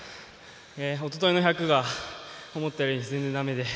おとといの１００が思ったより全然だめで。